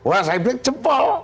wah saya bilang jempol